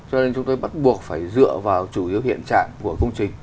cho nên chúng tôi bắt buộc phải dựa vào chủ yếu hiện trạng của công trình